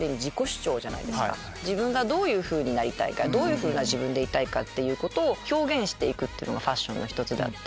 自分がどういうふうになりたいかどういうふうな自分でいたいか表現していくのがファッションの１つであって。